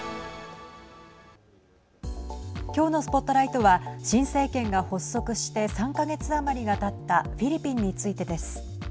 今日のＳＰＯＴＬＩＧＨＴは新政権が発足して３か月余りがたったフィリピンについてです。